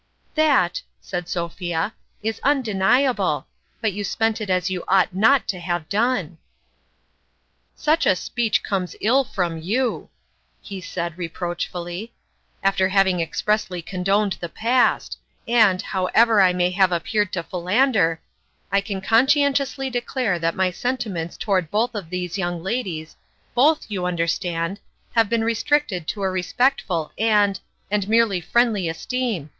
" That," said Sophia, " is undeniable ; but you spent it as you ought not to have done !"" Such a speech comes ill from you," he said, reproachfully, "after having expressly condoned the past ; and, however I may have appeared to philander, I can conscientiously 176 declare that my sentiments toward both of these young ladies both, you understand have been restricted to a respectful and and merely friendly esteem.